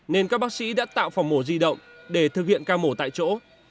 nên các bác sĩ đã tạo phòng mổ di động để thực hiện ca mổ tại chỗ